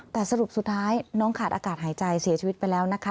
แต่สรุปสุดท้ายน้องขาดอากาศหายใจเสียชีวิตไปแล้วนะคะ